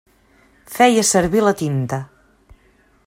Feia servir la tinta.